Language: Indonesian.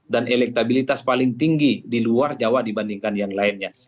dan elektabilitas paling tinggi di luar jawa dibandingkan yang lainnya